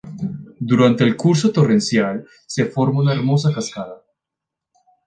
Durante el curso torrencial, se forma una hermosa cascada.